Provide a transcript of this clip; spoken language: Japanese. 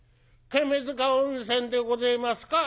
ケメヅカ温泉でごぜえますか？